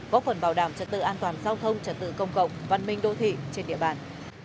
góp phần bảo đảm trật tự an toàn giao thông trật tự công cộng văn minh đô thị trên địa bàn